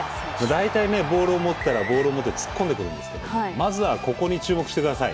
大体ねボールを持ったらボールを持って突っ込んでくるんですけどまずはここに注目してください。